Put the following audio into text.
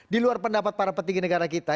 di luar pendapat para petinggi negara kita